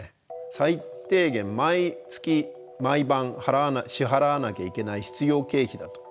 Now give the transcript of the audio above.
最低限毎月毎晩支払わなきゃいけない必要経費だと思って下さい。